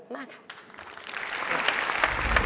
มาค่ะ